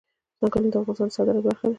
ځنګلونه د افغانستان د صادراتو برخه ده.